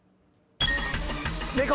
猫！